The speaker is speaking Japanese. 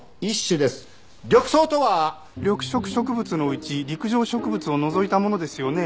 緑色植物のうち陸上植物を除いたものですよね。